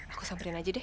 aku samberin aja deh